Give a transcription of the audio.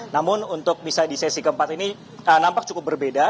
namun untuk bisa di sesi keempat ini nampak cukup berbeda